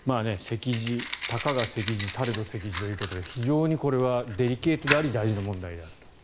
たかが席次されど席次ということで非常にこれは、デリケートであり大事な問題だと。